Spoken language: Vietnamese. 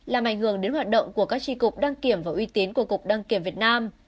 làm ảnh hưởng đến hoạt động của các tri cục đăng kiểm và uy tín của cục đăng kiểm việt nam